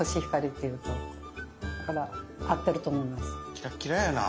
キラッキラやな。